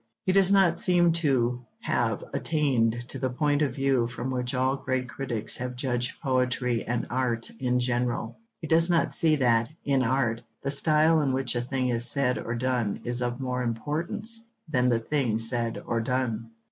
He does not seem to have attained to the point of view from which all great critics have judged poetry and art in general. He does not see that, in art, the style in which a thing is said or done is of more importance than the thing said or done.